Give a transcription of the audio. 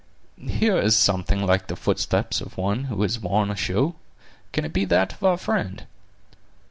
"Here is something like the footstep of one who has worn a shoe; can it be that of our friend?"